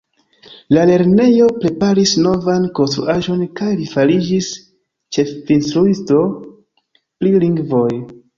La lernejo preparis novan konstruaĵon kaj li fariĝis ĉefinstruisto pri lingvoj.